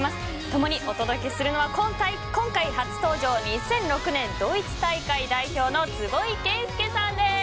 ともにお届けするのは今回初登場、２００６年ドイツ大会代表の坪井慶介さんです。